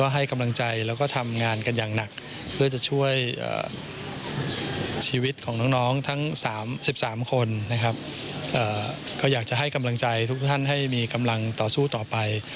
ให้มีกำลังต่อสู้ต่อไป